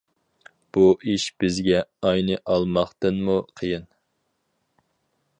بۇ ئىش بىزگە ئاينى ئالماقتىنمۇ قىيىن.